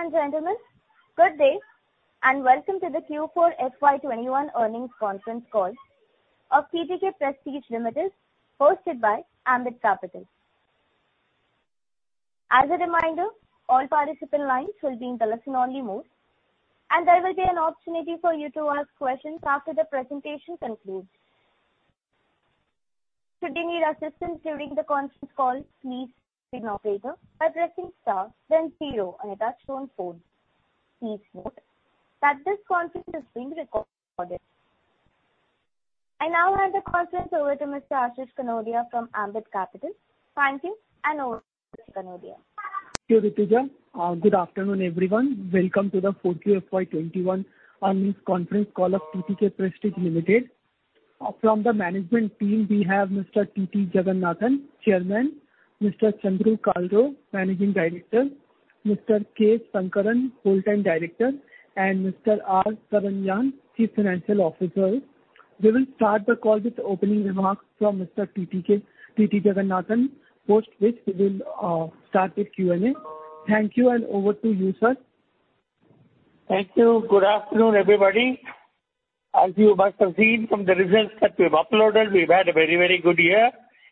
Ladies and gentlemen, good day and welcome to the Q4 FY21 earnings conference call of TTK Prestige Limited, hosted by Ambit Capital. As a reminder, all participant lines will be in the listen-only mode, and there will be an opportunity for you to ask questions after the presentation concludes. Should you need assistance during the conference call, please press star, then zero on your Touch-Tone phone. Please note that this conference is being recorded. I now hand the conference over to Mr. Ashish Kanodia from Ambit Capital. Thank you, and over to you, Kanodia. Sure, Rutuja. Good afternoon, everyone. Welcome to the 4Q FY21 earnings conference call of TTK Prestige Limited. From the management team, we have Mr. T.T. Jagannathan, Chairman; Mr. Chandru Kalro, Managing Director; Mr. K. Shankaran, whole-time director; and Mr. R. Saranyan, Chief Financial Officer. We will start the call with opening remarks from Mr. T.T. Jagannathan, post which we will start with Q&A. Thank you, and over to you, sir. Thank you. Good afternoon, everybody. As you must have seen from the results that we've uploaded, we've had a very, very good year.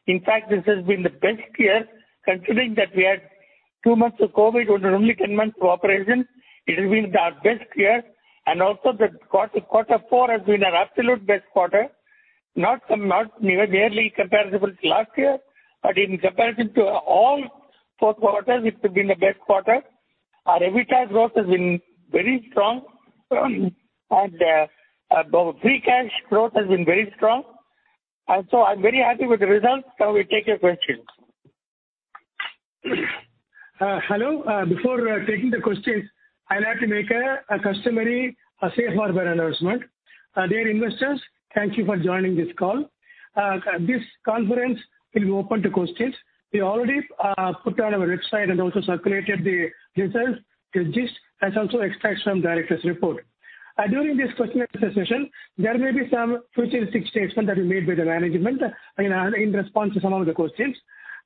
In fact, this has been the best year considering that we had two months of COVID, only 10 months of operation. It has been our best year, and also the quarter four has been our absolute best quarter. Not nearly comparable to last year, but in comparison to all four quarters, it has been the best quarter. Our EBITDA growth has been very strong, and free cash growth has been very strong. And so I'm very happy with the results. Now we take your questions. Hello. Before taking the questions, I'd like to make a customary safe harbor announcement. Dear investors, thank you for joining this call. This conference will be open to questions. We already put on our website and also circulated the results, details, and also extracts from directors' report. During this question and answer session, there may be some forward-looking statements that are made by the management in response to some of the questions,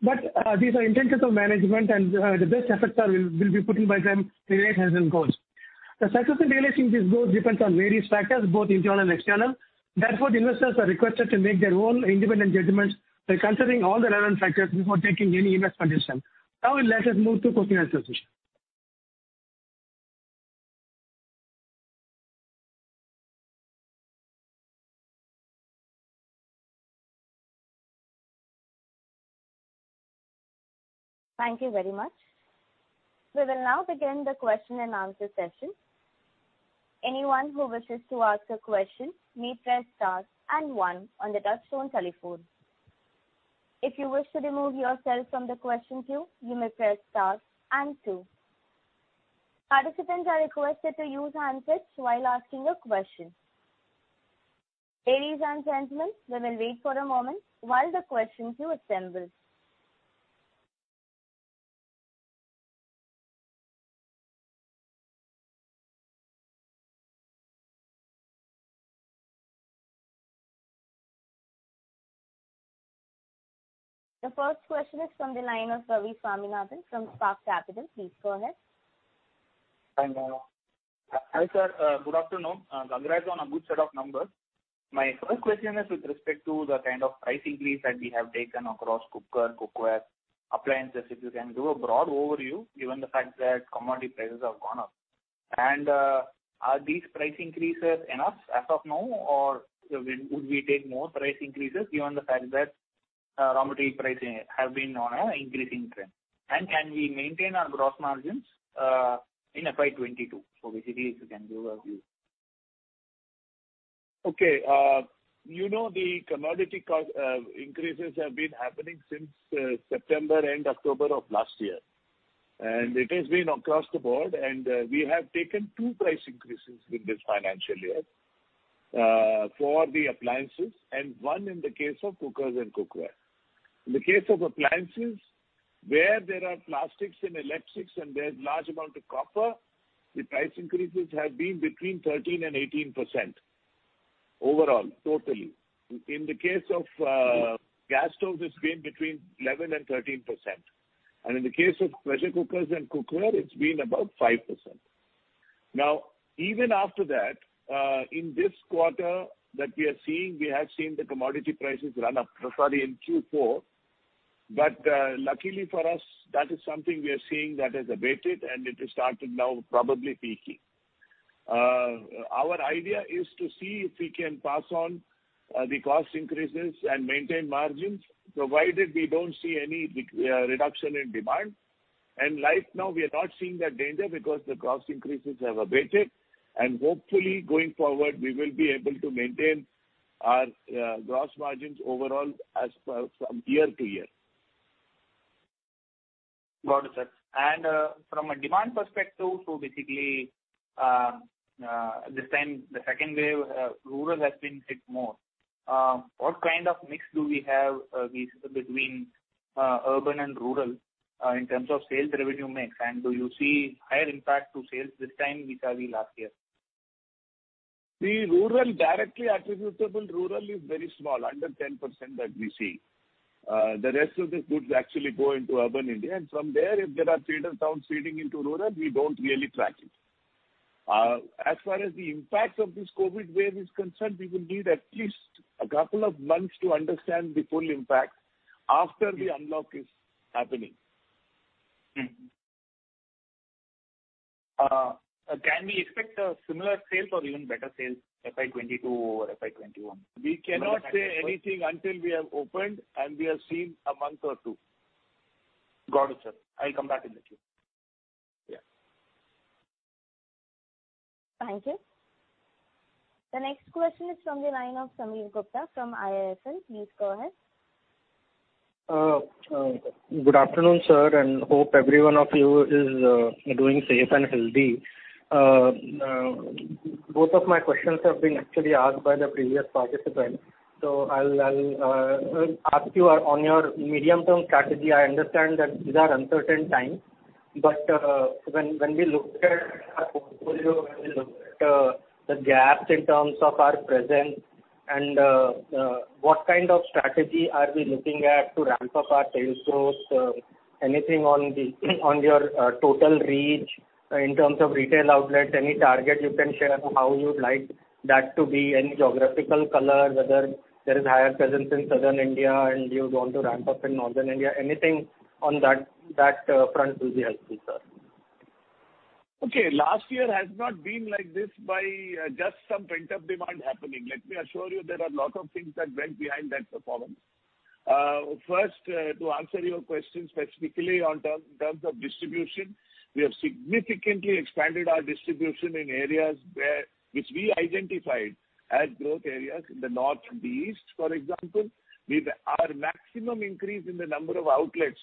but these are intentions of management, and the best efforts will be put in by them related to goals. The success in realizing these goals depends on various factors, both internal and external. Therefore, the investors are requested to make their own independent judgments by considering all the relevant factors before taking any investment decision. Now let us move to question and answer session. Thank you very much. We will now begin the question and answer session. Anyone who wishes to ask a question may press star and one on the touch-tone telephone. If you wish to remove yourself from the question queue, you may press star and two. Participants are requested to use hands-free while asking a question. Ladies and gentlemen, we will wait for a moment while the question queue assembles. The first question is from the line of Ravi Swaminathan from Spark Capital. Please go ahead. Hi, sir. Good afternoon. Congrats on a good set of numbers. My first question is with respect to the kind of price increase that we have taken across cookers, cookware, appliances. If you can do a broad overview, given the fact that commodity prices have gone up. Are these price increases enough as of now, or would we take more price increases given the fact that raw material prices have been on an increasing trend? Can we maintain our gross margins in FY22? So basically, if you can give a view. Okay. You know the commodity increases have been happening since September and October of last year, and it has been across the board. We have taken 2 price increases in this financial year for the appliances, and 1 in the case of cookers and cookware. In the case of appliances, where there are plastics and electrics and there's a large amount of copper, the price increases have been between 13%-18% overall, totally. In the case of gas stoves, it's been between 11%-13%. In the case of pressure cookers and cookware, it's been about 5%. Now, even after that, in this quarter that we are seeing, we have seen the commodity prices run up. Sorry, in Q4. But luckily for us, that is something we are seeing that has abated, and it has started now probably peaking. Our idea is to see if we can pass on the cost increases and maintain margins, provided we don't see any reduction in demand. Right now, we are not seeing that danger because the cost increases have abated. Hopefully, going forward, we will be able to maintain our gross margins overall from year to year. Got it, sir. From a demand perspective, so basically, this time, the second wave, rural has been hit more. What kind of mix do we have between urban and rural in terms of sales revenue mix? Do you see higher impact to sales this time than we saw last year? The directly attributable rural is very small, under 10% that we see. The rest of the goods actually go into urban India. And from there, if there are smaller towns feeding into rural, we don't really track it. As far as the impact of this COVID wave is concerned, we will need at least a couple of months to understand the full impact after the unlock is happening. Can we expect similar sales or even better sales FY2022 or FY2021? We cannot say anything until we have opened and we have seen a month or two. Got it, sir. I'll come back in the queue. Yeah. Thank you. The next question is from the line of Sameer Gupta from IIFL. Please go ahead. Good afternoon, sir, and hope everyone of you is doing safe and healthy. Both of my questions have been actually asked by the previous participants. So I'll ask you, on your medium-term strategy, I understand that these are uncertain times, but when we look at our portfolio, when we look at the gaps in terms of our presence, and what kind of strategy are we looking at to ramp up our sales growth, anything on your total reach in terms of retail outlets, any target you can share how you'd like that to be, any geographical color, whether there is higher presence in South India and you want to ramp up in North India, anything on that front will be helpful, sir. Okay. Last year has not been like this by just some pent-up demand happening. Let me assure you there are a lot of things that went behind that performance. First, to answer your question specifically in terms of distribution, we have significantly expanded our distribution in areas which we identified as growth areas in the north and the east, for example. Our maximum increase in the number of outlets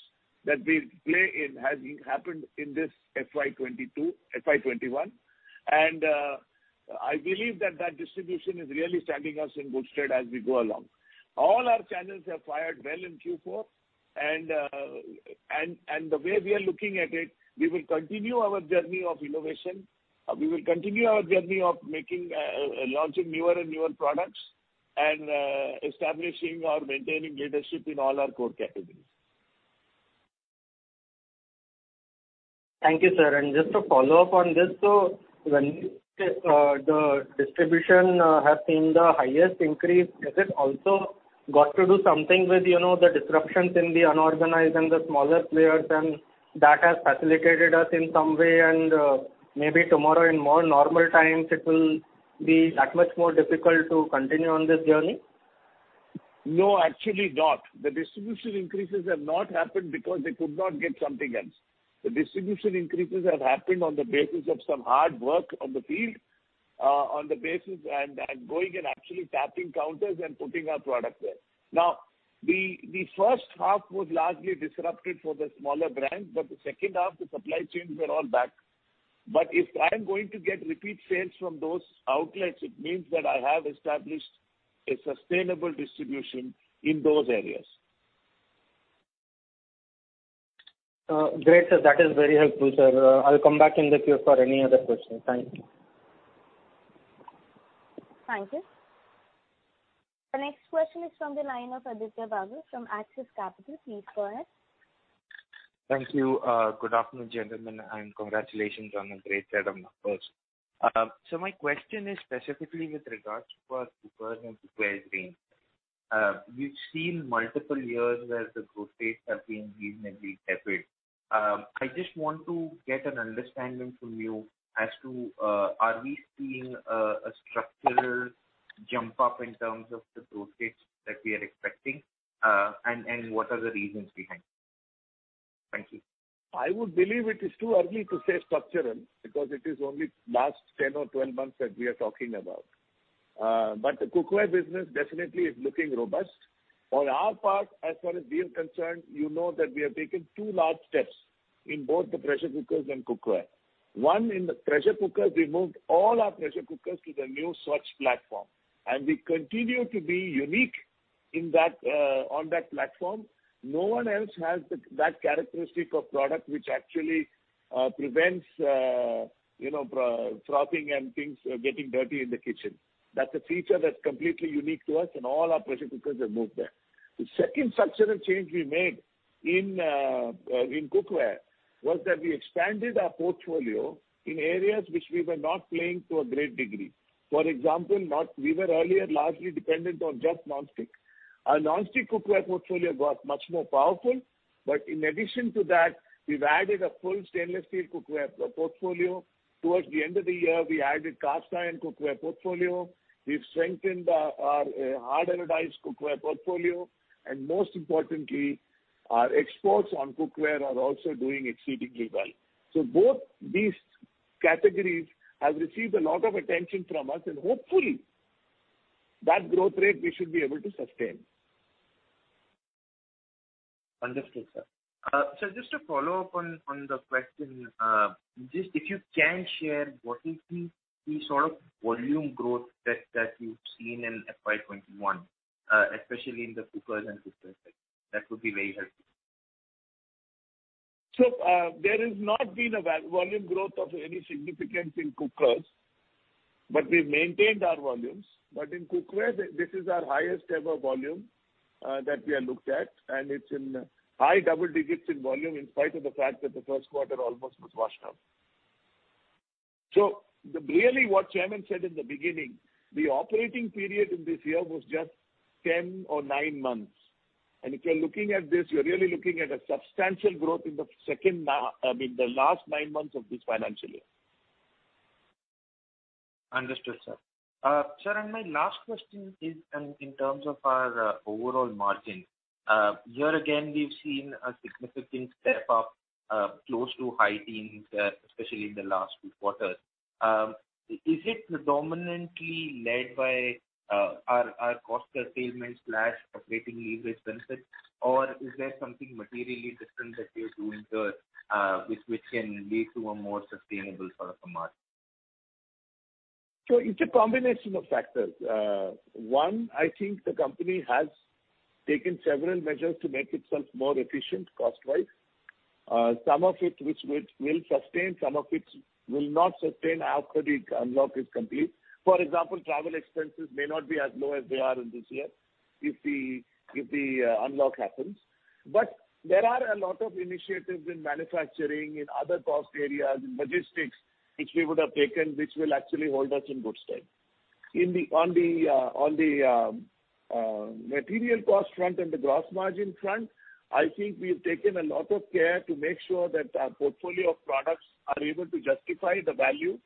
that we play in has happened in this FY22, FY21. I believe that that distribution is really standing us in good stead as we go along. All our channels have fired well in Q4. The way we are looking at it, we will continue our journey of innovation. We will continue our journey of launching newer and newer products and establishing or maintaining leadership in all our core categories. Thank you, sir. Just to follow up on this, so when the distribution has seen the highest increase, has it also got to do something with the disruptions in the unorganized and the smaller players? That has facilitated us in some way. Maybe tomorrow, in more normal times, it will be that much more difficult to continue on this journey? No, actually not. The distribution increases have not happened because they could not get something else. The distribution increases have happened on the basis of some hard work on the field, on the basis and going and actually tapping counters and putting our product there. Now, the first half was largely disrupted for the smaller brands, but the second half, the supply chains were all back. But if I am going to get repeat sales from those outlets, it means that I have established a sustainable distribution in those areas. Great, sir. That is very helpful, sir. I'll come back in the queue for any other questions. Thank you. Thank you. The next question is from the line of Aditya Bagul from Axis Capital. Please go ahead. Thank you. Good afternoon, gentlemen, and congratulations on a great set of numbers. My question is specifically with regards to cookers and cookware green. We've seen multiple years where the growth rates have been reasonably tepid. I just want to get an understanding from you as to are we seeing a structural jump-up in terms of the growth rates that we are expecting, and what are the reasons behind it? Thank you. I would believe it is too early to say structural because it is only the last 10 or 12 months that we are talking about. But the cookware business definitely is looking robust. On our part, as far as we are concerned, you know that we have taken two large steps in both the pressure cookers and cookware. One, in the pressure cookers, we moved all our pressure cookers to the new Svachh platform, and we continue to be unique on that platform. No one else has that characteristic of product which actually prevents frothing and things getting dirty in the kitchen. That's a feature that's completely unique to us, and all our pressure cookers have moved there. The second structural change we made in cookware was that we expanded our portfolio in areas which we were not playing to a great degree. For example, we were earlier largely dependent on just non-stick. Our non-stick cookware portfolio got much more powerful. But in addition to that, we've added a full stainless steel cookware portfolio. Towards the end of the year, we added Carbo-Titanium cookware portfolio. We've strengthened our hard-anodized cookware portfolio. And most importantly, our exports on cookware are also doing exceedingly well. So both these categories have received a lot of attention from us, and hopefully, that growth rate, we should be able to sustain. Understood, sir. Sir, just to follow up on the question, if you can share what is the sort of volume growth that you've seen in FY21, especially in the cookers and cookware sector? That would be very helpful. So there has not been a volume growth of any significance in Cookers, but we've maintained our volumes. But in CookWare, this is our highest-ever volume that we have looked at, and it's in high double digits in volume in spite of the fact that the first quarter almost was washed out. So really, what Chairman said in the beginning, the operating period in this year was just 10 or 9 months. And if you're looking at this, you're really looking at a substantial growth in the second I mean, the last 9 months of this financial year. Understood, sir. Sir, and my last question is in terms of our overall margins. Here again, we've seen a significant step-up close to high teens, especially in the last two quarters. Is it dominantly led by our cost per salesman/operating leverage benefit, or is there something materially different that you're doing here which can lead to a more sustainable sort of a margin? So it's a combination of factors. One, I think the company has taken several measures to make itself more efficient cost-wise. Some of it will sustain. Some of it will not sustain after the unlock is complete. For example, travel expenses may not be as low as they are in this year if the unlock happens. But there are a lot of initiatives in manufacturing, in other cost areas, in logistics which we would have taken which will actually hold us in good stead. On the material cost front and the gross margin front, I think we've taken a lot of care to make sure that our portfolio of products are able to justify the value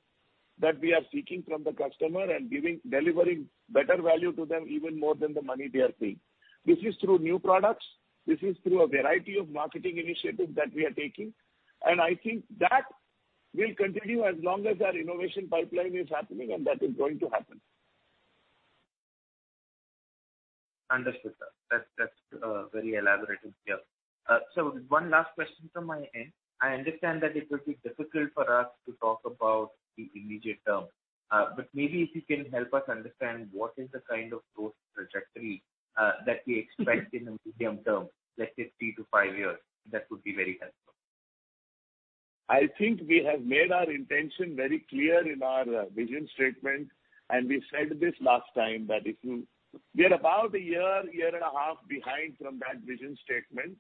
that we are seeking from the customer and delivering better value to them even more than the money they are paying. This is through new products. This is through a variety of marketing initiatives that we are taking. I think that will continue as long as our innovation pipeline is happening, and that is going to happen. Understood, sir. That's very elaborated here. So one last question from my end. I understand that it will be difficult for us to talk about the immediate term, but maybe if you can help us understand what is the kind of growth trajectory that we expect in the medium term, let's say 3-5 years, that would be very helpful. I think we have made our intention very clear in our vision statement, and we said this last time that we are about a year, year and a half behind from that vision statement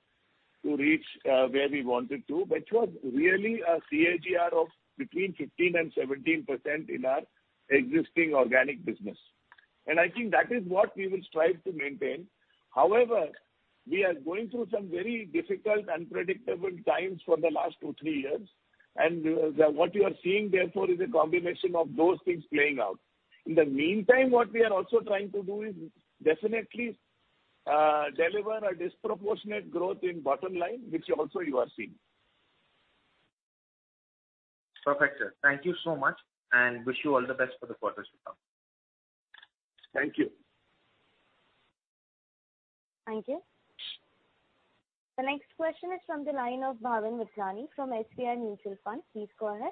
to reach where we wanted to, which was really a CAGR of between 15% and 17% in our existing organic business. I think that is what we will strive to maintain. However, we are going through some very difficult, unpredictable times for the last 2-3 years. What you are seeing, therefore, is a combination of those things playing out. In the meantime, what we are also trying to do is definitely deliver a disproportionate growth in bottom line, which also you are seeing. Perfect, sir. Thank you so much, and wish you all the best for the quarters to come. Thank you. Thank you. The next question is from the line of Bhavin Vithlani from SBI Mutual Fund. Please go ahead.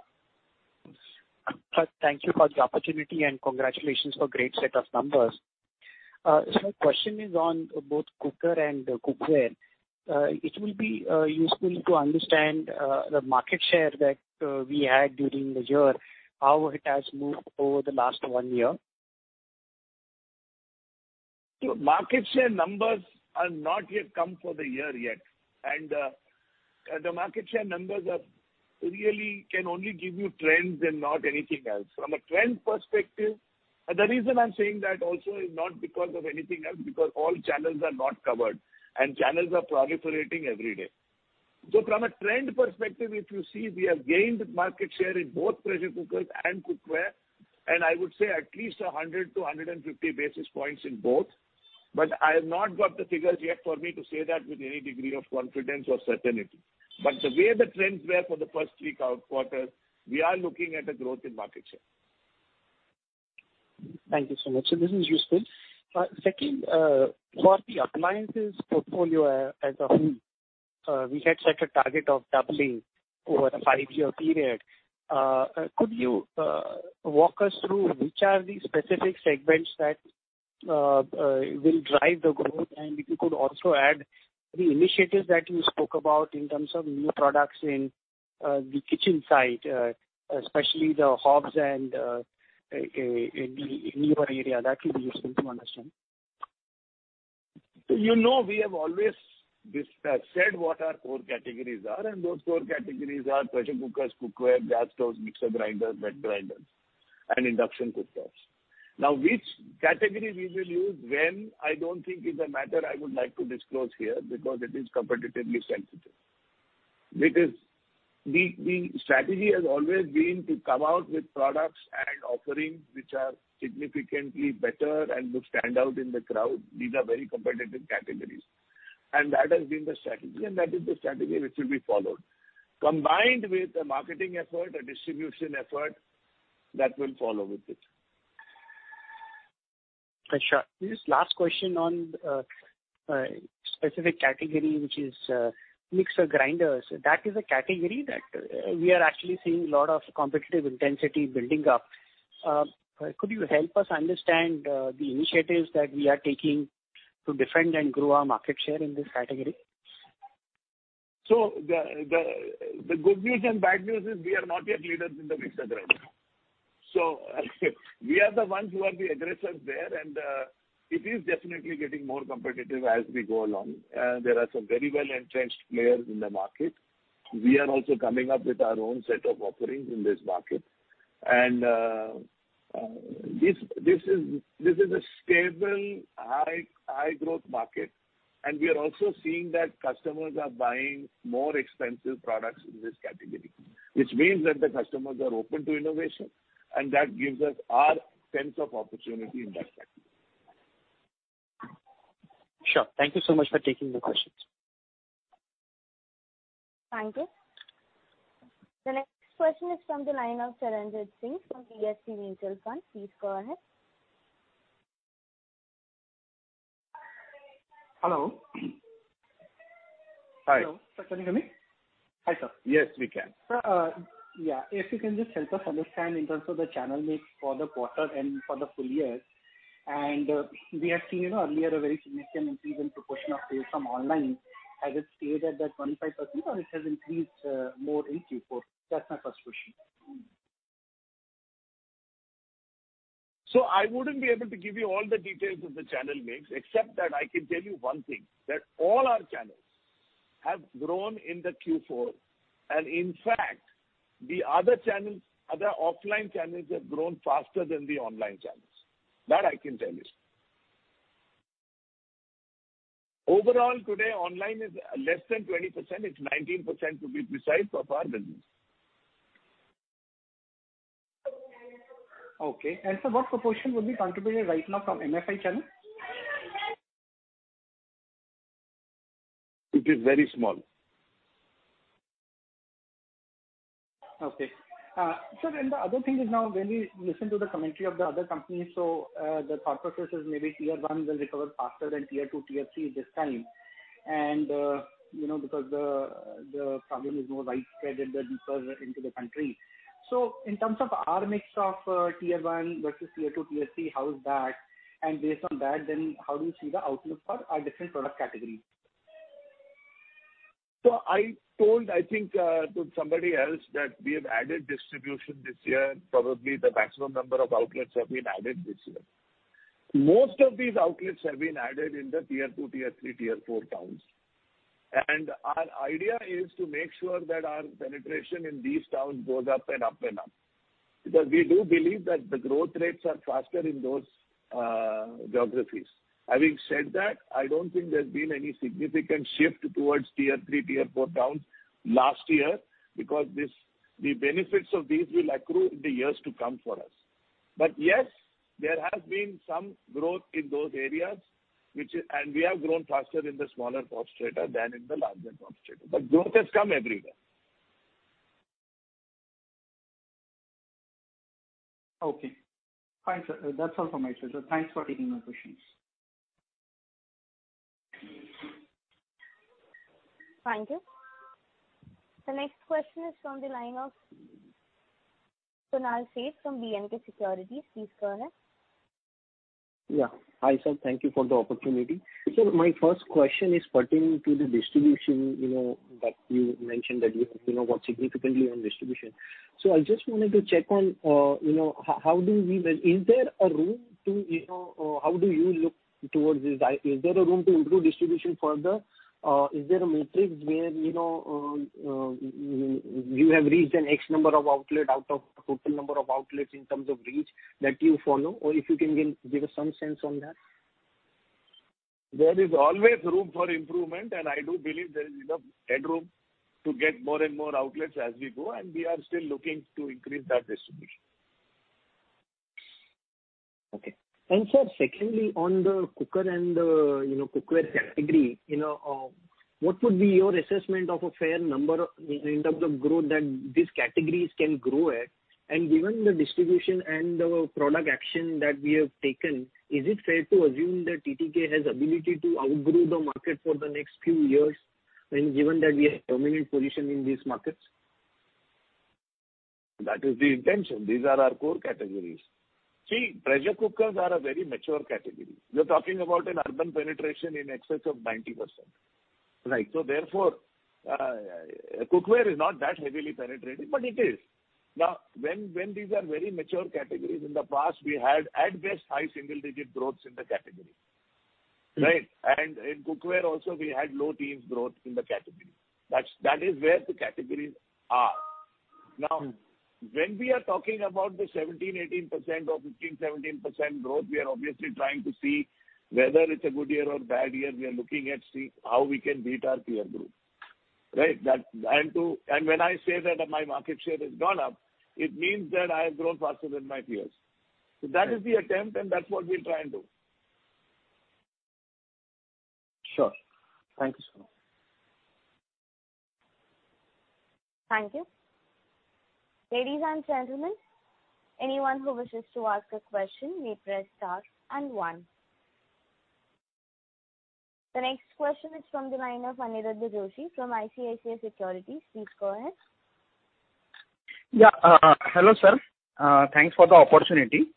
Thank you for the opportunity, and congratulations for a great set of numbers. My question is on both cooker and cookware. It will be useful to understand the market share that we had during the year, how it has moved over the last one year. So market share numbers have not yet come for the year yet. The market share numbers really can only give you trends and not anything else. From a trend perspective, the reason I'm saying that also is not because of anything else, because all channels are not covered, and channels are proliferating every day. So from a trend perspective, if you see, we have gained market share in both pressure cookers and cookware, and I would say at least 100-150 basis points in both. But I have not got the figures yet for me to say that with any degree of confidence or certainty. But the way the trends were for the first three quarters, we are looking at a growth in market share. Thank you so much. This is useful. Second, for the appliances portfolio as a whole, we had set a target of doubling over a five-year period. Could you walk us through which are the specific segments that will drive the growth, and if you could also add the initiatives that you spoke about in terms of new products in the kitchen side, especially the hobs and built-in area? That would be useful to understand. So you know we have always said what our core categories are, and those core categories are pressure cookers, cookware, gas stoves, mixer grinders, wet grinders, and induction cooktops. Now, which category we will use when, I don't think it's a matter I would like to disclose here because it is competitively sensitive. The strategy has always been to come out with products and offerings which are significantly better and would stand out in the crowd. These are very competitive categories. And that has been the strategy, and that is the strategy which will be followed, combined with a marketing effort, a distribution effort that will follow with it. Sure. This last question on a specific category which is mixer grinders. That is a category that we are actually seeing a lot of competitive intensity building up. Could you help us understand the initiatives that we are taking to defend and grow our market share in this category? The good news and bad news is we are not yet leaders in the mixer grinder. We are the ones who are the aggressors there, and it is definitely getting more competitive as we go along. There are some very well-entrenched players in the market. We are also coming up with our own set of offerings in this market. This is a stable, high-growth market, and we are also seeing that customers are buying more expensive products in this category, which means that the customers are open to innovation, and that gives us our sense of opportunity in that category. Sure. Thank you so much for taking the questions. Thank you. The next question is from the line of Charanjit Singh from DSP Mutual Fund. Please go ahead. Hello. Hi. Hello. Can you hear me? Hi, sir. Yes, we can. Yeah. If you can just help us understand in terms of the channel mix for the quarter and for the full year. We have seen earlier a very significant increase in proportion of sales from online. Has it stayed at that 25%, or it has increased more in Q4? That's my first question. I wouldn't be able to give you all the details of the channel mix, except that I can tell you one thing, that all our channels have grown in the Q4. In fact, the other offline channels have grown faster than the online channels. That I can tell you. Overall, today, online is less than 20%. It's 19%, to be precise, of our business. Okay. What proportion would be contributed right now from MFI channel? It is very small. Okay. Sir, and the other thing is now when we listen to the commentary of the other companies, so the thought process is maybe Tier 1 will recover faster than Tier 2, Tier 3 this time because the problem is more widespread and deeper into the country. So in terms of our mix of Tier 1 versus Tier 2, Tier 3, how is that? And based on that, then how do you see the outlook for our different product categories? I told, I think, to somebody else that we have added distribution this year. Probably the maximum number of outlets have been added this year. Most of these outlets have been added in the Tier 2, Tier 3, Tier 4 towns. Our idea is to make sure that our penetration in these towns goes up and up and up because we do believe that the growth rates are faster in those geographies. Having said that, I don't think there's been any significant shift towards Tier 3, Tier 4 towns last year because the benefits of these will accrue in the years to come for us. Yes, there has been some growth in those areas, and we have grown faster in the smaller towns than in the larger towns. Growth has come everywhere. Okay. Fine. That's all from me, sir. Thanks for taking my questions. Thank you. The next question is from the line of Sonal Singh from B&K Securities. Please go ahead. Yeah. Hi, sir. Thank you for the opportunity. Sir, my first question is pertaining to the distribution that you mentioned that you have gone significantly on distribution. So I just wanted to check on, how do we? Is there a room to how do you look towards this? Is there a room to improve distribution further? Is there a metric where you have reached an X number of outlets out of a total number of outlets in terms of reach that you follow, or if you can give us some sense on that? There is always room for improvement, and I do believe there is enough headroom to get more and more outlets as we go, and we are still looking to increase that distribution. Okay. Sir, secondly, on the cooker and the cookware category, what would be your assessment of a fair number in terms of growth that these categories can grow at? Given the distribution and the product action that we have taken, is it fair to assume that TTK has the ability to outgrow the market for the next few years given that we have a dominant position in these markets? That is the intention. These are our core categories. See, pressure cookers are a very mature category. You're talking about an urban penetration in excess of 90%. So therefore, cookware is not that heavily penetrating, but it is. Now, when these are very mature categories, in the past, we had, at best, high single-digit growths in the category, right? And in cookware also, we had low teens growth in the category. That is where the categories are. Now, when we are talking about the 17%-18% or 15%-17% growth, we are obviously trying to see whether it's a good year or bad year. We are looking at how we can beat our peer group, right? And when I say that my market share has gone up, it means that I have grown faster than my peers. That is the attempt, and that's what we'll try and do. Sure. Thank you, sir. Thank you. Ladies and gentlemen, anyone who wishes to ask a question, may press star and one. The next question is from the line of Aniruddha Joshi from ICICI Securities. Please go ahead. Yeah. Hello, sir. Thanks for the opportunity.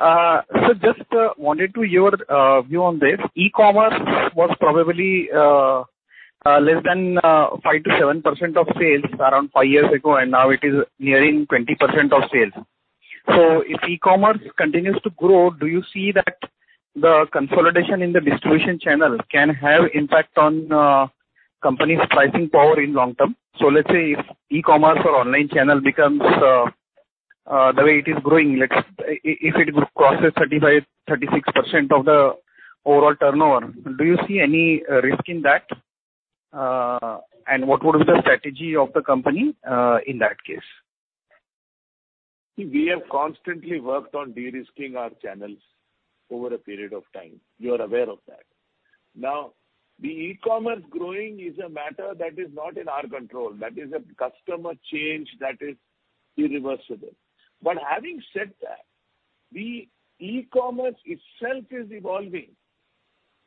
So just wanted to hear your view on this. E-commerce was probably less than 5%-7% of sales around 5 years ago, and now it is nearing 20% of sales. So if e-commerce continues to grow, do you see that the consolidation in the distribution channel can have an impact on companies' pricing power in the long term? So let's say if e-commerce or online channel becomes the way it is growing, if it crosses 35%-36% of the overall turnover, do you see any risk in that? And what would be the strategy of the company in that case? See, we have constantly worked on de-risking our channels over a period of time. You are aware of that. Now, the e-commerce growing is a matter that is not in our control. That is a customer change that is irreversible. But having said that, the e-commerce itself is evolving.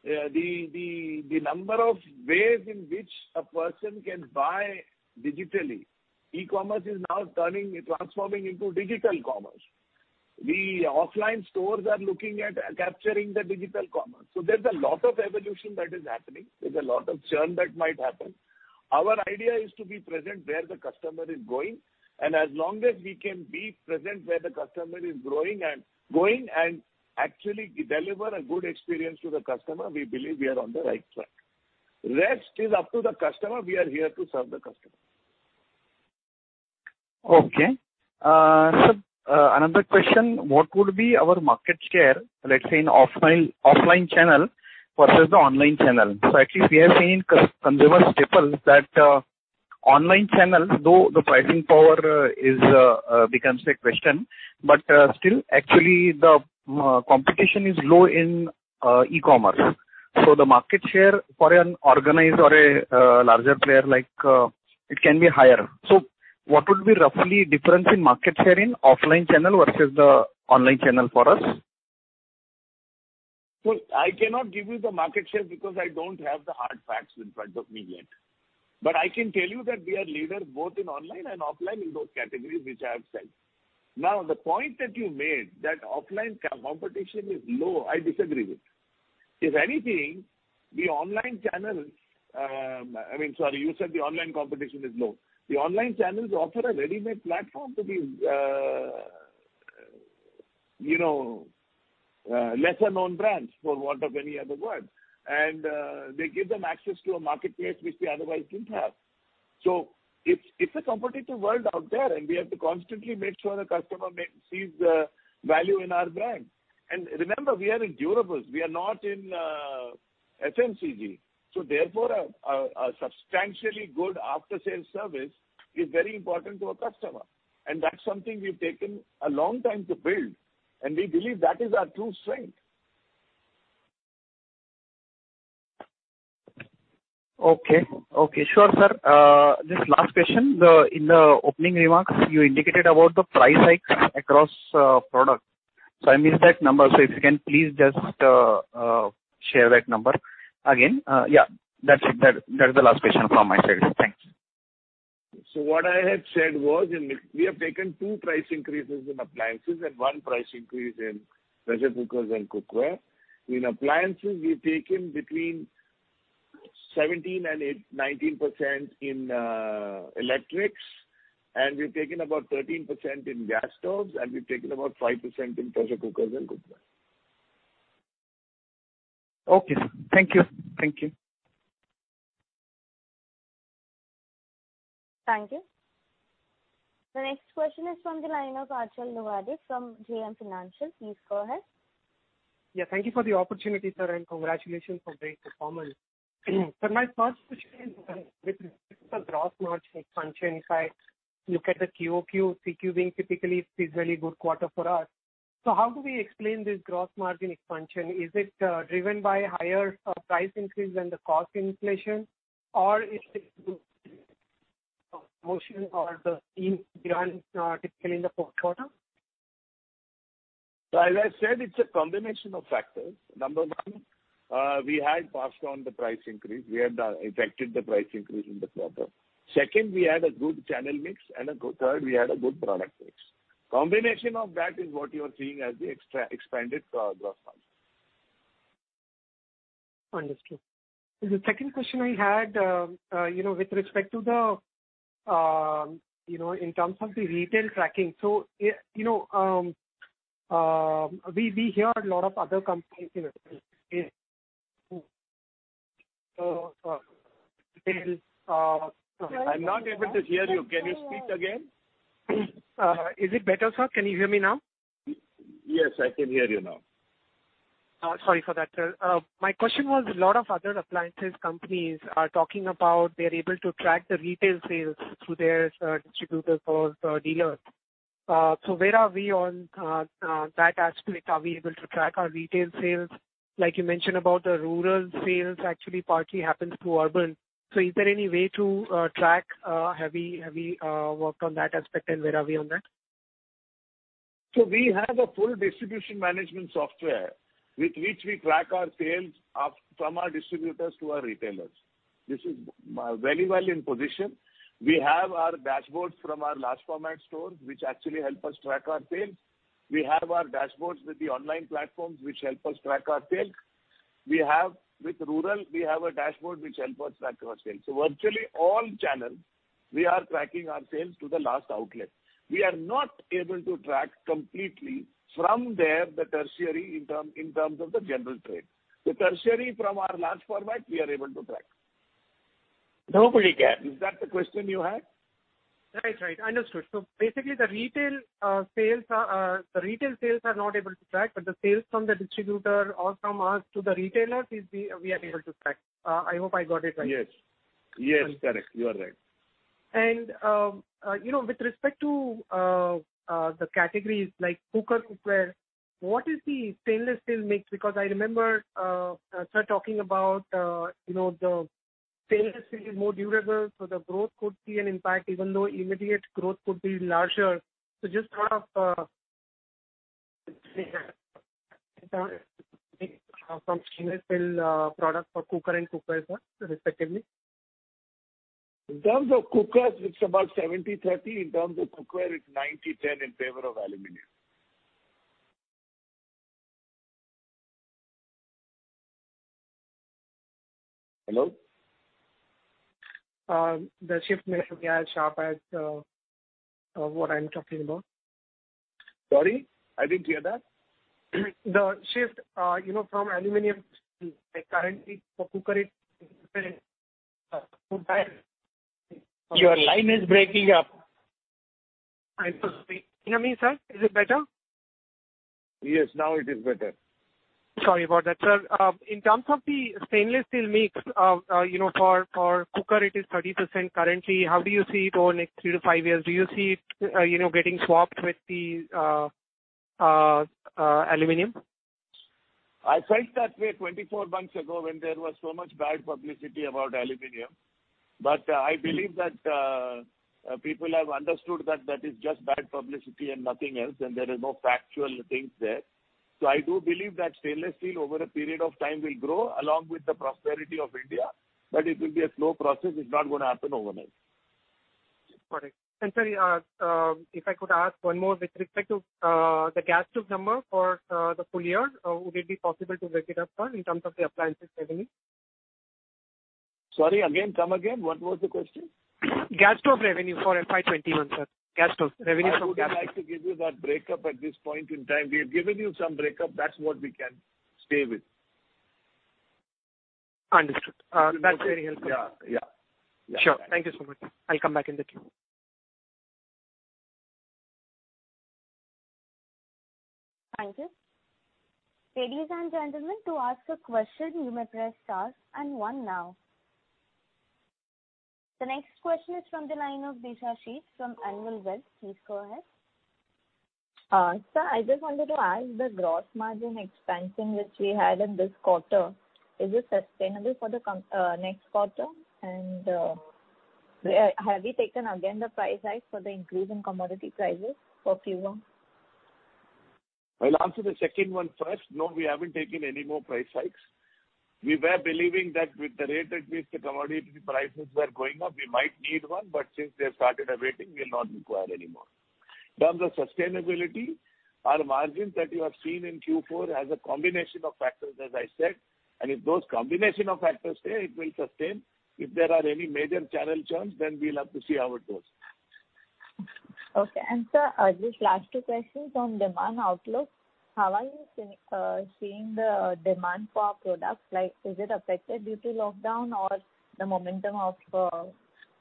The number of ways in which a person can buy digitally, e-commerce is now transforming into digital commerce. The offline stores are looking at capturing the digital commerce. So there's a lot of evolution that is happening. There's a lot of churn that might happen. Our idea is to be present where the customer is going. And as long as we can be present where the customer is going and actually deliver a good experience to the customer, we believe we are on the right track. The rest is up to the customer. We are here to serve the customer. Okay. Sir, another question. What would be our market share, let's say, in the offline channel versus the online channel? At least we have seen in consumer staples that online channel, though the pricing power becomes a question, but still, actually, the competition is low in e-commerce. The market share for an organized or a larger player, it can be higher. What would be roughly the difference in market share in the offline channel versus the online channel for us? Well, I cannot give you the market share because I don't have the hard facts in front of me yet. I can tell you that we are leader both in online and offline in those categories which I have said. Now, the point that you made, that offline competition is low, I disagree with. If anything, the online channels I mean, sorry, you said the online competition is low. The online channels offer a ready-made platform to these lesser-known brands, for want of any other word. And they give them access to a marketplace which they otherwise didn't have. So it's a competitive world out there, and we have to constantly make sure the customer sees the value in our brand. And remember, we are in durables. We are not in FMCG. So therefore, a substantially good after-sales service is very important to a customer. That's something we've taken a long time to build, and we believe that is our true strength. Okay. Okay. Sure, sir. Just last question. In the opening remarks, you indicated about the price hikes across products. So I missed that number. So if you can, please just share that number again. Yeah. That's it. That's the last question from my side. Thanks. So what I have said was we have taken two price increases in appliances and one price increase in pressure cookers and cookware. In appliances, we've taken between 17% and 19% in electrics, and we've taken about 13% in gas stoves, and we've taken about 5% in pressure cookers and cookware. Okay. Thank you. Thank you. Thank you. The next question is from the line of Achal Lohade from JM Financial. Please go ahead. Yeah. Thank you for the opportunity, sir, and congratulations for great performance. Sir, my first question is with respect to the gross margin expansion. If I look at the QoQ, Q4 being typically a seasonally good quarter for us, so how do we explain this gross margin expansion? Is it driven by a higher price increase than the cost inflation, or is it more on the team typically in the fourth quarter? As I said, it's a combination of factors. Number one, we had passed on the price increase. We had effected the price increase in the quarter. Second, we had a good channel mix. And third, we had a good product mix. Combination of that is what you are seeing as the expanded gross margin. Understood. The second question I had with respect to the in terms of the retail tracking, so we hear a lot of other companies in retail. I'm not able to hear you. Can you speak again? Is it better, sir? Can you hear me now? Yes, I can hear you now. Sorry for that, sir. My question was, a lot of other appliance companies are talking about they're able to track the retail sales through their distributors or dealers. So where are we on that aspect? Are we able to track our retail sales? Like you mentioned about the rural sales, actually, partly happens through urban. So is there any way to track? Have we worked on that aspect, and where are we on that? We have a full distribution management software with which we track our sales from our distributors to our retailers. This is very well in position. We have our dashboards from our Large Format Stores which actually help us track our sales. We have our dashboards with the online platforms which help us track our sales. With rural, we have a dashboard which helps us track our sales. Virtually all channels, we are tracking our sales to the last outlet. We are not able to track completely from there, the tertiary, in terms of the General Trade. The tertiary from our large format, we are able to track. Nobody can. Is that the question you had? Right. Right. Understood. So basically, the retail sales are the retail sales are not able to track, but the sales from the distributor or from us to the retailers, we are able to track. I hope I got it right. Yes. Yes. Correct. You are right. With respect to the categories like cooker, cookware, what is the stainless steel mix? Because I remember sir talking about the stainless steel is more durable, so the growth could see an impact even though immediate growth could be larger. Just thought of some stainless steel products for cooker and cookware, sir, respectively. In terms of cookers, it's about 70/30. In terms of cookware, it's 90/10 in favor of aluminum. Hello? The shift may have gone sharp at what I'm talking about. Sorry? I didn't hear that. The shift from aluminum, currently for Cooker, it's different. Your line is breaking up. I'm sorry. Can you hear me, sir? Is it better? Yes. Now it is better. Sorry about that, sir. In terms of the stainless steel mix for cooker, it is 30% currently. How do you see it over the next three to five years? Do you see it getting swapped with the aluminum? I felt that way 24 months ago when there was so much bad publicity about aluminum. I believe that people have understood that that is just bad publicity and nothing else, and there are no factual things there. I do believe that stainless steel, over a period of time, will grow along with the prosperity of India, but it will be a slow process. It's not going to happen overnight. Got it. And sorry, if I could ask one more with respect to the gas stove number for the full year, would it be possible to break it up, sir, in terms of the appliances revenue? Sorry. Again? Come again. What was the question? Gas stove revenue for FY21, sir. Gas stove. Revenue from gas stove. I would like to give you that breakup at this point in time. We have given you some breakup. That's what we can stay with. Understood. That's very helpful. Yeah. Yeah. Yeah. Sure. Thank you so much. I'll come back in the queue. Thank you. Ladies and gentlemen, to ask a question, you may press star and one now. The next question is from the line of Dheeresh Pathak from Anvil Share & Stock Broking. Please go ahead. Sir, I just wanted to ask the gross margin expansion which we had in this quarter. Is it sustainable for the next quarter? Have we taken again the price hike for the increase in commodity prices for fuel? I'll answer the second one first. No, we haven't taken any more price hikes. We were believing that with the rate at which the commodity prices were going up, we might need one, but since they've started abating, we'll not require any more. In terms of sustainability, our margin that you have seen in Q4 has a combination of factors, as I said. And if those combination of factors stay, it will sustain. If there are any major channel churns, then we'll have to see how it goes. Okay. Sir, just last two questions on demand outlook. How are you seeing the demand for our products? Is it affected due to lockdown, or the momentum of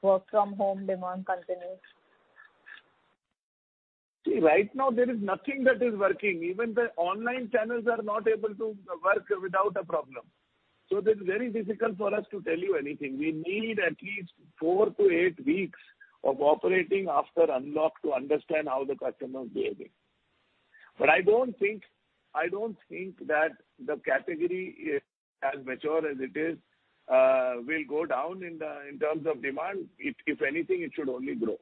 work-from-home demand continues? See, right now, there is nothing that is working. Even the online channels are not able to work without a problem. So it's very difficult for us to tell you anything. We need at least 4-8 weeks of operating after unlock to understand how the customers behave. But I don't think that the category, as mature as it is, will go down in terms of demand. If anything, it should only grow.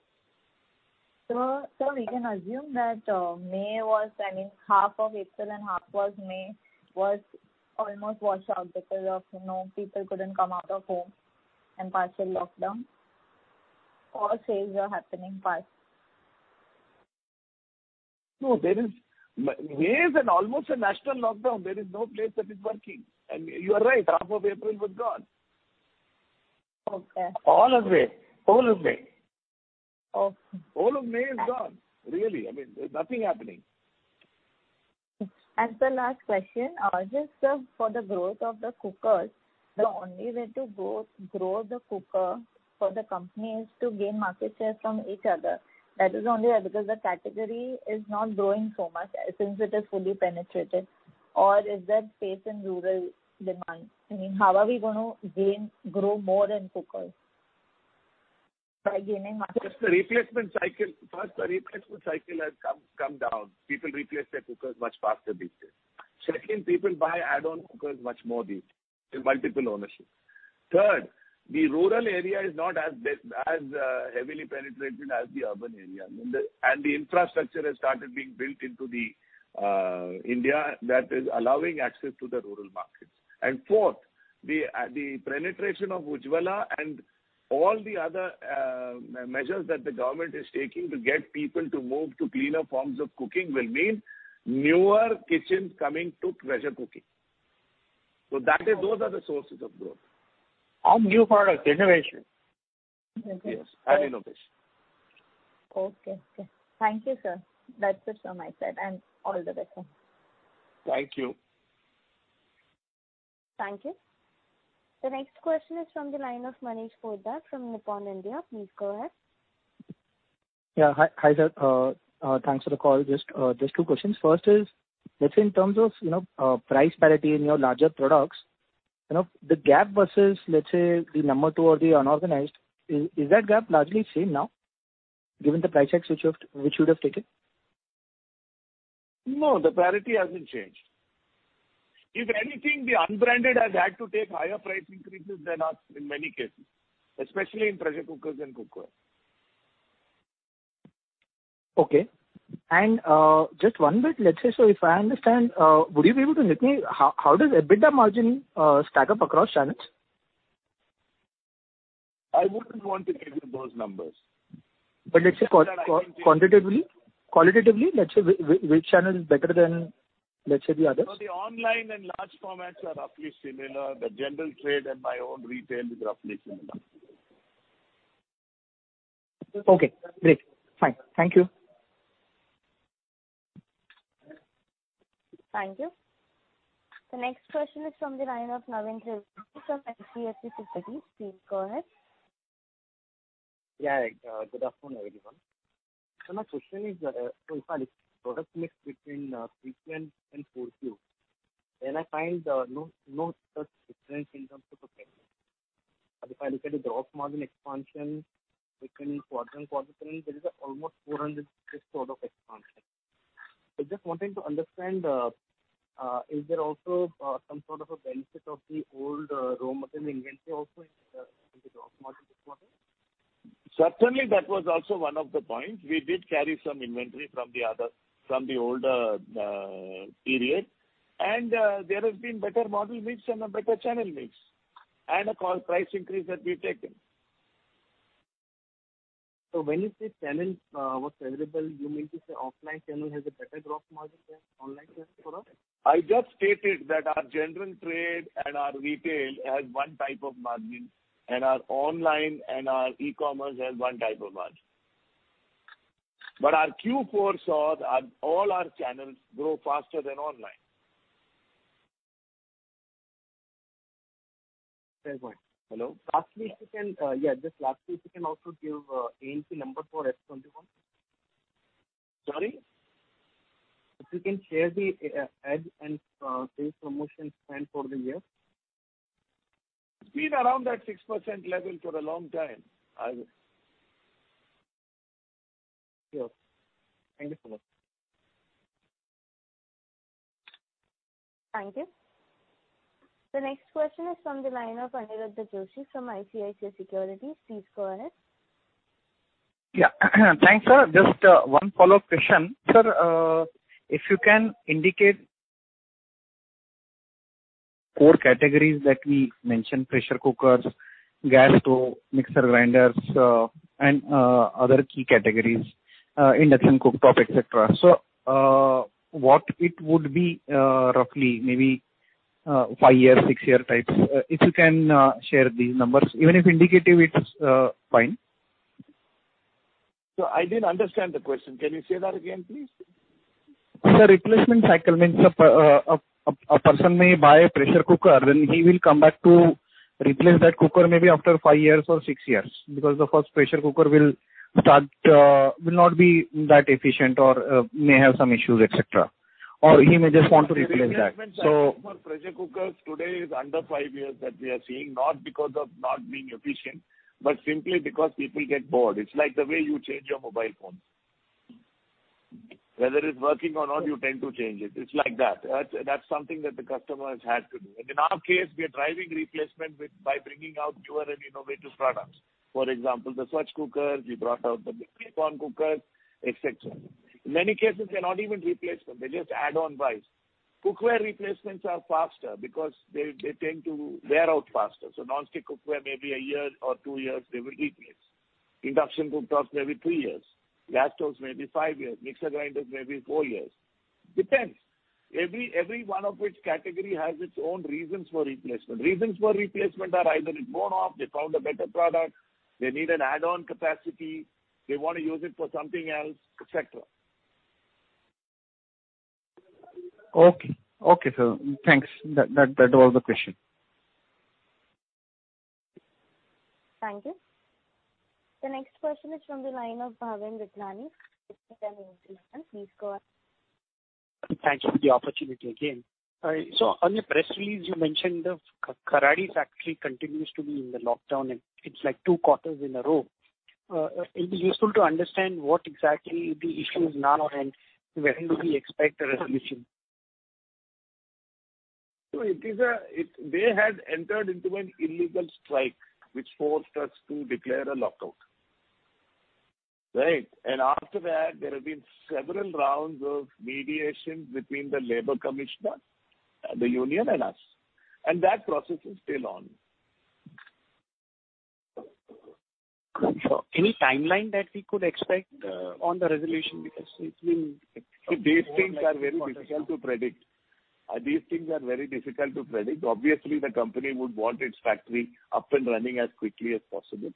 Sir, we can assume that May was—I mean, half of April and half of May was almost washed out because people couldn't come out of home and partial lockdown? Or sales are happening fast? No. May is almost a national lockdown. There is no place that is working. You are right. Half of April was gone. Okay. All of May. All of May. Okay. All of May is gone, really. I mean, there's nothing happening. Sir, last question. Just for the growth of the cookers, the only way to grow the cooker for the company is to gain market share from each other. That is only because the category is not growing so much since it is fully penetrated. Or is there space in rural demand? I mean, how are we going to grow more in cookers by gaining market share? First, the replacement cycle first, the replacement cycle has come down. People replace their cookers much faster these days. Second, people buy add-on cookers much more these days. It's multiple ownership. Third, the rural area is not as heavily penetrated as the urban area. The infrastructure has started being built into India that is allowing access to the rural markets. Fourth, the penetration of Ujjwala and all the other measures that the government is taking to get people to move to cleaner forms of cooking will mean newer kitchens coming to pressure cooking. So those are the sources of growth. All new products. Innovation. Yes. And innovation. Okay. Okay. Thank you, sir. That's it from my side. All the best, sir. Thank you. Thank you. The next question is from the line of Manish Poddar from Nippon India. Please go ahead. Yeah. Hi, sir. Thanks for the call. Just two questions. First is, let's say in terms of price parity in your larger products, the gap versus, let's say, the number two or the unorganized, is that gap largely the same now given the price hike which you would have taken? No. The parity hasn't changed. If anything, the unbranded have had to take higher price increases than us in many cases, especially in pressure cookers and cookware. Okay. And just one bit. Let's say, so if I understand, would you be able to let me how does EBITDA margin stack up across channels? I wouldn't want to give you those numbers. Let's say quantitatively, let's say which channel is better than, let's say, the others? So the online and large formats are roughly similar. The general trade and my own retail is roughly similar. Okay. Great. Fine. Thank you. Thank you. The next question is from the line of Naveen Trivedi from HDFC Securities. Please go ahead. Yeah. Good afternoon, everyone. Sir, my question is, so if I look at the product mix between Q3 and 4Q, then I find no such difference in terms of the price. But if I look at the gross margin expansion between quarter and quarter, then there is almost 400% sort of expansion. So just wanting to understand, is there also some sort of a benefit of the old raw material inventory also in the gross margin this quarter? Certainly, that was also one of the points. We did carry some inventory from the older period. There has been better model mix and a better channel mix and a price increase that we've taken. When you say channel was favorable, you mean to say offline channel has a better gross margin than online channel for us? I just stated that our General Trade and our retail has one type of margin, and our online and our e-commerce has one type of margin. But our Q4 saw all our channels grow faster than online. Fair point. Hello? Lastly, if you can also give ANC number for F21. Sorry? If you can share the ad and sales promotion spend for the year? It's been around that 6% level for a long time. Sure. Thank you so much. Thank you. The next question is from the line of Aniruddha Joshi from ICICI Securities. Please go ahead. Yeah. Thanks, sir. Just one follow-up question. Sir, if you can indicate 4 categories that we mentioned: pressure cookers, gas stove, mixer, grinders, and other key categories, induction cooktop, etc. So what it would be roughly, maybe 5-year, 6-year types? If you can share these numbers, even if indicative, it's fine. So I didn't understand the question. Can you say that again, please? The replacement cycle means a person may buy a pressure cooker, then he will come back to replace that cooker maybe after five years or six years because the first pressure cooker will not be that efficient or may have some issues, etc. Or he may just want to replace that. Replacement cycle for pressure cookers today is under 5 years that we are seeing, not because of not being efficient, but simply because people get bored. It's like the way you change your mobile phones. Whether it's working or not, you tend to change it. It's like that. That's something that the customer has had to do. And in our case, we are driving replacement by bringing out newer and innovative products. For example, the Svachh cookers, we brought out the Clip-On cookers, etc. In many cases, they're not even replacements. They're just add-on buys. Cookware replacements are faster because they tend to wear out faster. So non-stick cookware, maybe 1 year or 2 years, they will replace. Induction cooktops, maybe 3 years. Gas stoves, maybe 5 years. Mixer grinders, maybe 4 years. Depends. Every one of which category has its own reasons for replacement. Reasons for replacement are either it's worn off, they found a better product, they need an add-on capacity, they want to use it for something else, etc. Okay. Okay, sir. Thanks. That was the question. Thank you. The next question is from the line of Bhavin Vithlani. Please go ahead. Thank you for the opportunity again. On your press release, you mentioned Khardi Factory continues to be in the lockdown. It's like 2 quarters in a row. It'd be useful to understand what exactly the issue is now and when do we expect a resolution? So they had entered into an illegal strike, which forced us to declare a lockout. Right? And after that, there have been several rounds of mediation between the Labor Commissioner, the union, and us. And that process is still on. Sure. Any timeline that we could expect on the resolution because it's been difficult? These things are very difficult to predict. These things are very difficult to predict. Obviously, the company would want its factory up and running as quickly as possible.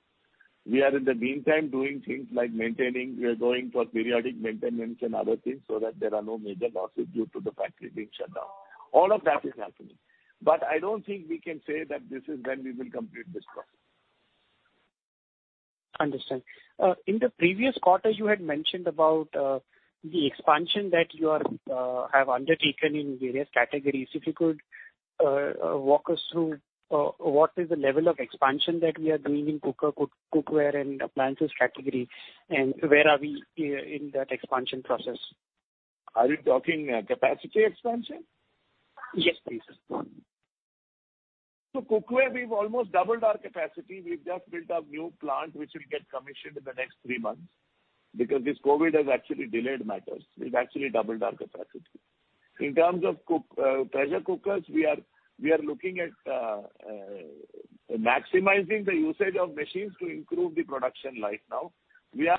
We are, in the meantime, doing things like maintaining. We are going for periodic maintenance and other things so that there are no major losses due to the factory being shut down. All of that is happening. But I don't think we can say that this is when we will complete this process. Understood. In the previous quarter, you had mentioned about the expansion that you have undertaken in various categories. If you could walk us through what is the level of expansion that we are doing in cookware and appliances category, and where are we in that expansion process? Are you talking capacity expansion? Yes, please. Cookware, we've almost doubled our capacity. We've just built a new plant which will get commissioned in the next 3 months because this COVID has actually delayed matters. We've actually doubled our capacity. In terms of pressure cookers, we are looking at maximizing the usage of machines to improve the production life now. We are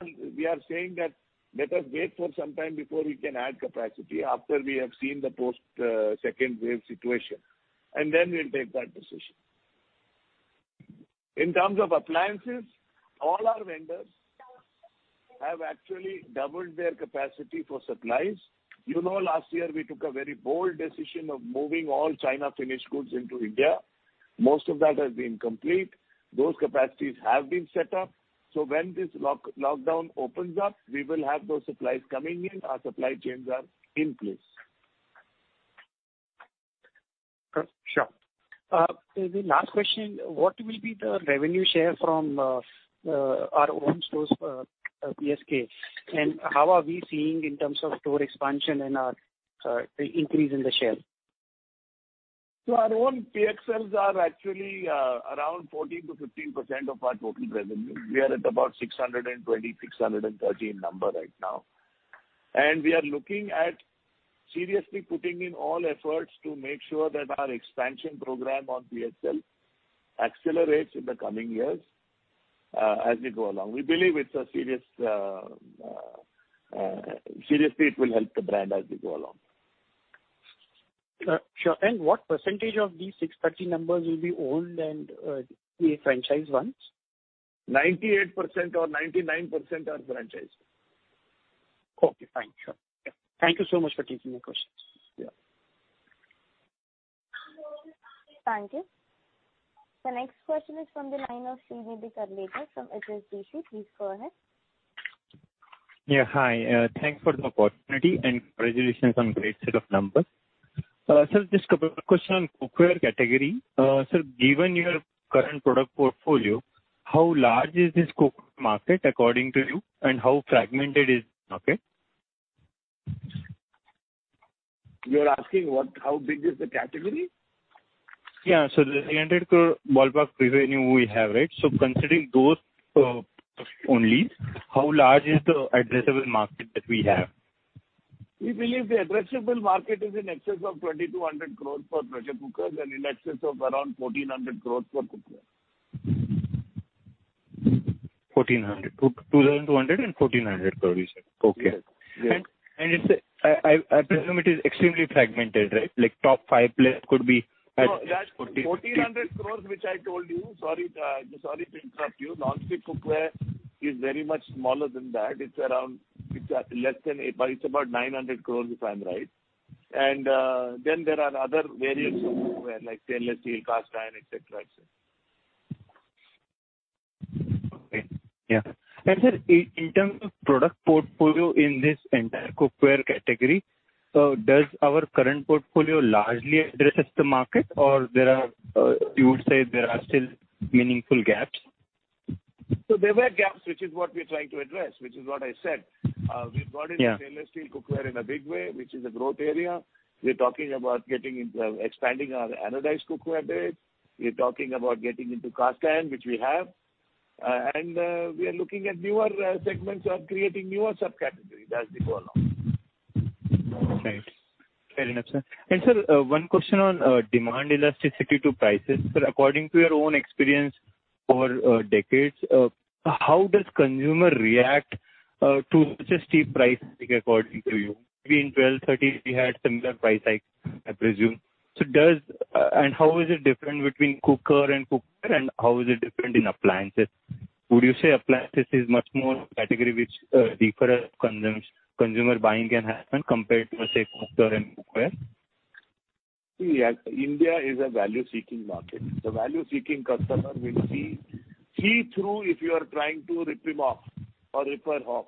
saying that let us wait for some time before we can add capacity after we have seen the post-second wave situation, and then we'll take that decision. In terms of appliances, all our vendors have actually doubled their capacity for supplies. Last year, we took a very bold decision of moving all China-finished goods into India. Most of that has been complete. Those capacities have been set up. So when this lockdown opens up, we will have those supplies coming in. Our supply chains are in place. Sure. The last question, what will be the revenue share from our own stores, PSK? And how are we seeing in terms of store expansion and the increase in the share? So our own PXLs are actually around 14%-15% of our total revenue. We are at about 620,613 number right now. And we are looking at seriously putting in all efforts to make sure that our expansion program on PXL accelerates in the coming years as we go along. We believe it's seriously, it will help the brand as we go along. Sure. What percentage of these 613 numbers will be owned and franchised ones? 98% or 99% are franchised. Okay. Fine. Sure. Thank you so much for taking my questions. Yeah. Thank you. The next question is from the line of Shrinidhi Karlekar from HSBC. Please go ahead. Yeah. Hi. Thanks for the opportunity and congratulations on a great set of numbers. Sir, just a couple of questions on cookware category. Sir, given your current product portfolio, how large is this cookware market according to you, and how fragmented is the market? You are asking how big is the category? Yeah. So the 300 crore ballpark revenue we have, right? So considering those only, how large is the addressable market that we have? We believe the addressable market is in excess of 2,200 crores for pressure cookers and in excess of around 1,400 crores for cookware. 1,200 and 1,400 crores, you said. Okay. I presume it is extremely fragmented, right? Top five could be at 1,400. No, that's 1,400 crore which I told you. Sorry to interrupt you. Non-stick cookware is very much smaller than that. It's less than it's about 900 crore if I'm right. And then there are other variants of cookware like stainless steel, cast iron, etc., etc. Okay. Yeah. Sir, in terms of product portfolio in this entire cookware category, does our current portfolio largely address the market, or you would say there are still meaningful gaps? So there were gaps, which is what we're trying to address, which is what I said. We've gotten stainless steel cookware in a big way, which is a growth area. We're talking about expanding our anodized cookware base. We're talking about getting into cast iron, which we have. And we are looking at newer segments or creating newer subcategories as we go along. Right. Fair enough, sir. Sir, one question on demand elasticity to prices. Sir, according to your own experience over decades, how does consumer react to such a steep price hike according to you? Maybe in 1230, we had similar price hikes, I presume. How is it different between cooker and cookware, and how is it different in appliances? Would you say appliances is much more a category which deeper consumer buying can happen compared to, say, cooker and cookware? See, India is a value-seeking market. The value-seeking customer will see through if you are trying to rip him off or rip her off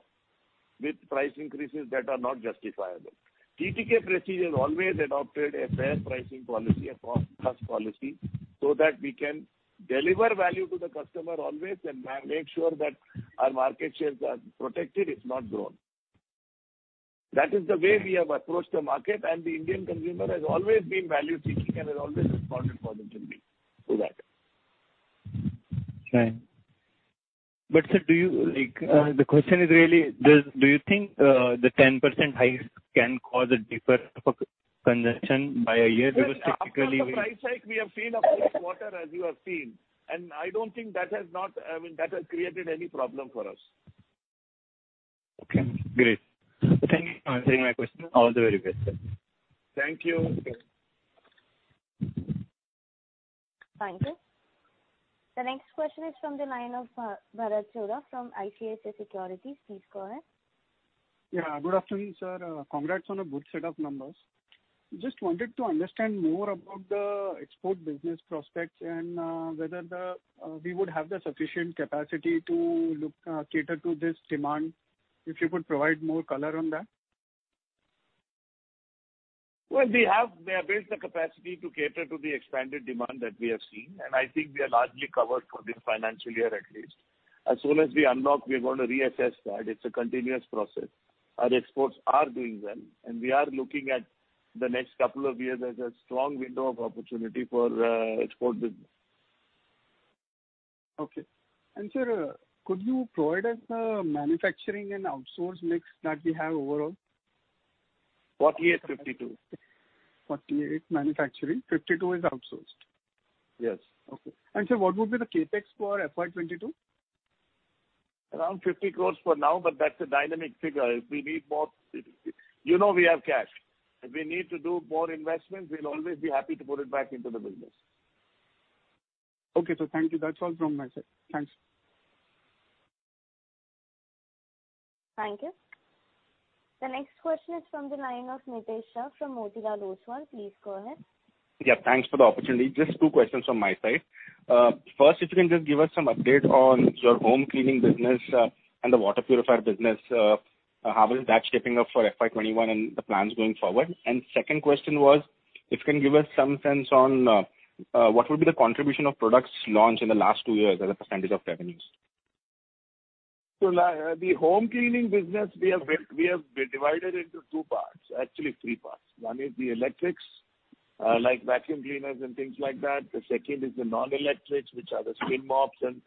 with price increases that are not justifiable. TTK Prestige has always adopted a fair pricing policy, a cost-plus policy, so that we can deliver value to the customer always and make sure that our market shares are protected, if not grown. That is the way we have approached the market. The Indian consumer has always been value-seeking and has always responded positively to that. Right. But sir, the question is really, do you think the 10% hike can cause a deeper consumption by a year because technically we? Our price hike we have seen this quarter as you have seen. I don't think, I mean, that has created any problem for us. Okay. Great. Thank you for answering my question. All the very best, sir. Thank you. Thank you. The next question is from the line of Bharat Chhoda from ICICI Securities. Please go ahead. Yeah. Good afternoon, sir. Congrats on a good set of numbers. Just wanted to understand more about the export business prospects and whether we would have the sufficient capacity to cater to this demand if you could provide more color on that? Well, we have. We have built the capacity to cater to the expanded demand that we have seen. And I think we are largely covered for this financial year at least. As soon as we unlock, we are going to reassess that. It's a continuous process. Our exports are doing well, and we are looking at the next couple of years as a strong window of opportunity for export business. Okay. Sir, could you provide us the manufacturing and outsource mix that we have overall? 4852. 48 manufacturing. 52 is outsourced. Yes. Okay. Sir, what would be the CapEx for FY22? Around 50 crore for now, but that's a dynamic figure. If we need more we have cash. If we need to do more investments, we'll always be happy to put it back into the business. Okay. So thank you. That's all from my side. Thanks. Thank you. The next question is from the line of Niket Shah from Motilal Oswal. Please go ahead. Yeah. Thanks for the opportunity. Just two questions from my side. First, if you can just give us some update on your home cleaning business and the water purifier business. How is that shaping up for FY21 and the plans going forward? And second question was, if you can give us some sense on what would be the contribution of products launched in the last two years as a % of revenues. So the home cleaning business, we have divided it into two parts, actually three parts. One is the electrics, like vacuum cleaners and things like that. The second is the non-electrics, which are the spin mops and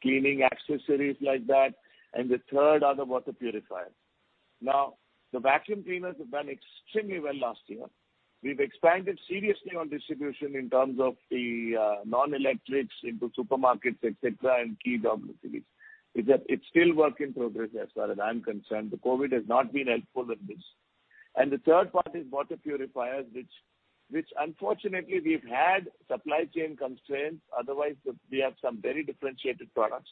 cleaning accessories like that. And the third are the water purifiers. Now, the vacuum cleaners have done extremely well last year. We've expanded seriously on distribution in terms of the non-electrics into supermarkets, etc., and key cities. It's still work in progress as far as I'm concerned. The COVID has not been helpful in this. And the third part is water purifiers, which unfortunately, we've had supply chain constraints. Otherwise, we have some very differentiated products.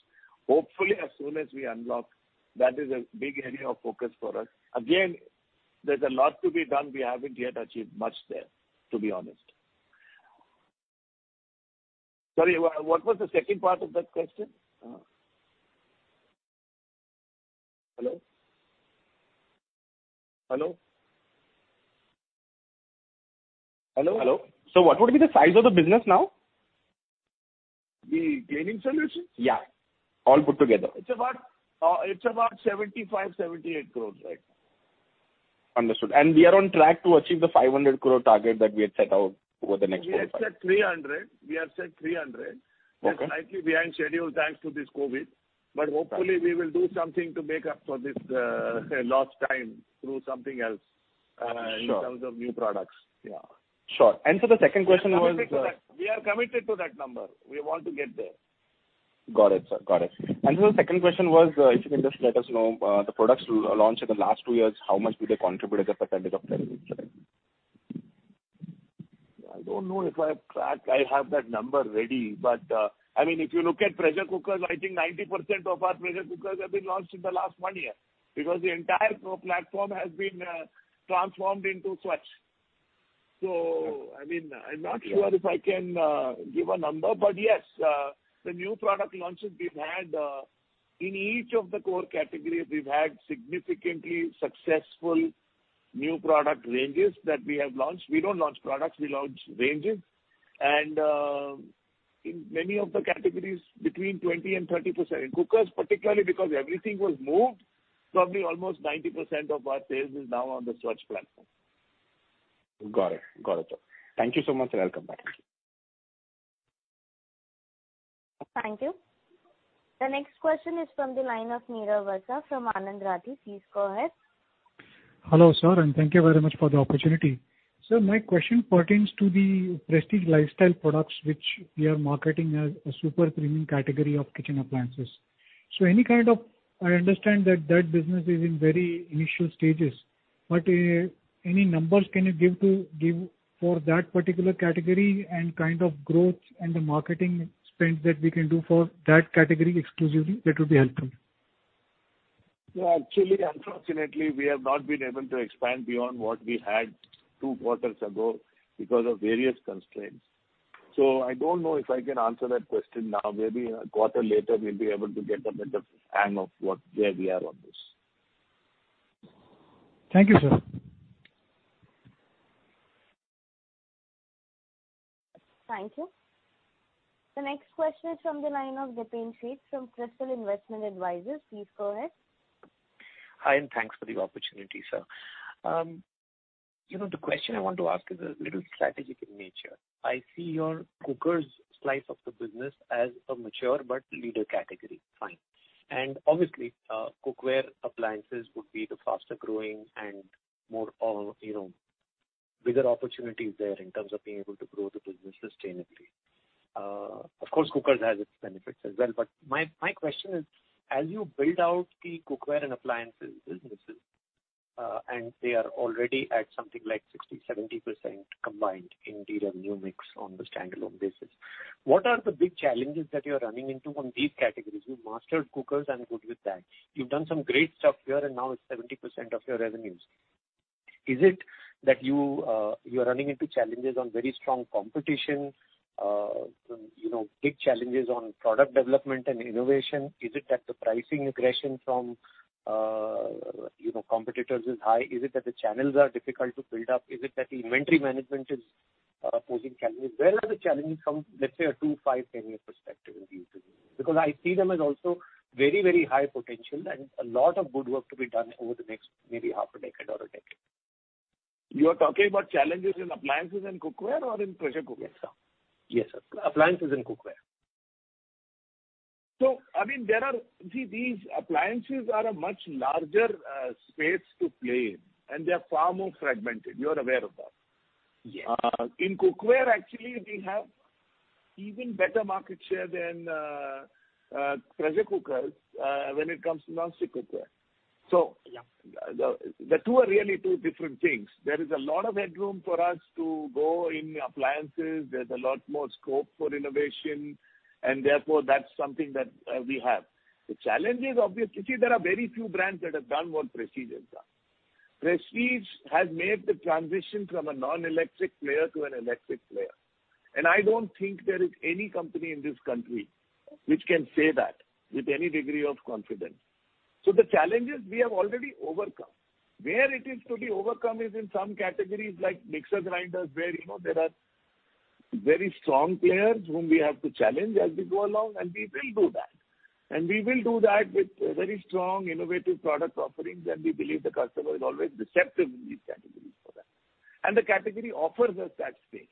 Hopefully, as soon as we unlock, that is a big area of focus for us. Again, there's a lot to be done. We haven't yet achieved much there, to be honest. Sorry. What was the second part of that question? Hello? Hello? Hello? Hello? What would be the size of the business now? The cleaning solutions? Yeah. All put together. It's about 75 crore-78 crore, right? Understood. We are on track to achieve the 500 crore target that we had set out over the next four or five. We have set 300. We have set 300. We are slightly behind schedule thanks to this COVID. But hopefully, we will do something to make up for this lost time through something else in terms of new products. Yeah. Sure. The second question was. We are committed to that number. We want to get there. Got it, sir. Got it. And so the second question was, if you can just let us know, the products launched in the last two years, how much do they contribute as a percentage of revenue, sir? I don't know if I have that. I have that number ready. But I mean, if you look at pressure cookers, I think 90% of our pressure cookers have been launched in the last one year because the entire platform has been transformed into Svachh. So I mean, I'm not sure if I can give a number, but yes, the new product launches we've had in each of the core categories, we've had significantly successful new product ranges that we have launched. We don't launch products. We launch ranges. And in many of the categories, between 20%-30% in cookers, particularly because everything was moved, probably almost 90% of our sales is now on the Svachh platform. Got it. Got it, sir. Thank you so much, and welcome back. Thank you. The next question is from the line of Nirav Vasa from Anand Rathi. Please go ahead. Hello, sir. And thank you very much for the opportunity. Sir, my question pertains to the Prestige Lifestyle products, which we are marketing as a super premium category of kitchen appliances. So any kind of, I understand that that business is in very initial stages. But any numbers can you give for that particular category and kind of growth and the marketing spend that we can do for that category exclusively that would be helpful? Yeah. Actually, unfortunately, we have not been able to expand beyond what we had 2 quarters ago because of various constraints. So I don't know if I can answer that question now. Maybe a quarter later, we'll be able to get a bit of hang of where we are on this. Thank you, sir. Thank you. The next question is from the line of Jipin Sheth from Crystal Investment Advisors. Please go ahead. Hi, and thanks for the opportunity, sir. The question I want to ask is a little strategic in nature. I see your cookers slice of the business as a mature but leader category. Fine. And obviously, cookware appliances would be the faster growing and bigger opportunities there in terms of being able to grow the business sustainably. Of course, cookers have its benefits as well. But my question is, as you build out the cookware and appliances businesses, and they are already at something like 60%-70% combined in the revenue mix on the standalone basis, what are the big challenges that you're running into on these categories? You mastered cookers and good with that. You've done some great stuff here, and now it's 70% of your revenues. Is it that you are running into challenges on very strong competition, big challenges on product development and innovation? Is it that the pricing aggression from competitors is high? Is it that the channels are difficult to build up? Is it that the inventory management is posing challenges? Where are the challenges from, let's say, a 2, 5, 10-year perspective in these businesses? Because I see them as also very, very high potential and a lot of good work to be done over the next maybe half a decade or a decade. You are talking about challenges in appliances and cookware or in pressure cookware? Yes, sir. Yes, sir. Appliances and cookware. So I mean, see, these appliances are a much larger space to play, and they are far more fragmented. You are aware of that. In cookware, actually, we have even better market share than pressure cookers when it comes to non-stick cookware. So the two are really two different things. There is a lot of headroom for us to go in appliances. There's a lot more scope for innovation. And therefore, that's something that we have. The challenge is, obviously see, there are very few brands that have done what Prestige has done. Prestige has made the transition from a non-electric player to an electric player. And I don't think there is any company in this country which can say that with any degree of confidence. So the challenges, we have already overcome. Where it is to be overcome is in some categories like mixer grinders where there are very strong players whom we have to challenge as we go along. We will do that. We will do that with very strong, innovative product offerings. We believe the customer is always receptive in these categories for that. The category offers us that space.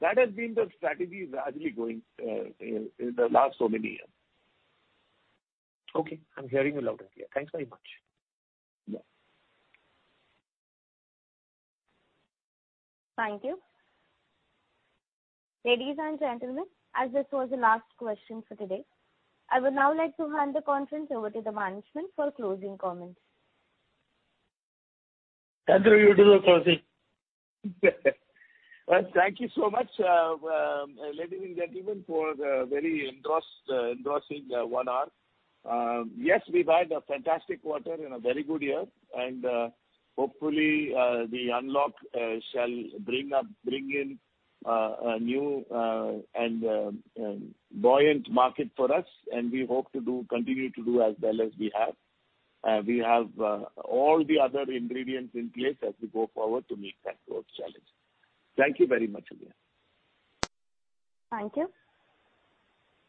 That has been the strategy largely going in the last so many years. Okay. I'm hearing you loud and clear. Thanks very much. Thank you. Ladies and gentlemen, as this was the last question for today, I would now like to hand the conference over to the management for closing comments. Chandru, you do the closing. Well, thank you so much, ladies and gentlemen, for very endorsing OneR. Yes, we've had a fantastic quarter in a very good year. Hopefully, the unlock shall bring in a new and buoyant market for us. We hope to continue to do as well as we have. We have all the other ingredients in place as we go forward to meet that growth challenge. Thank you very much again. Thank you.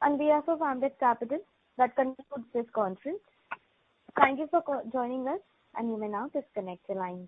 With Ambit Capital, that concludes this conference. Thank you for joining us. You may now disconnect the line.